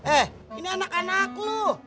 eh ini anak anak lu